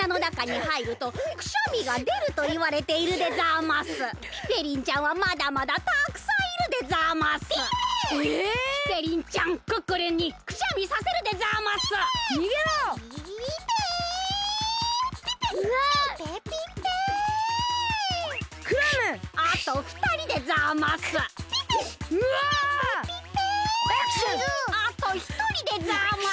あとひとりでざます。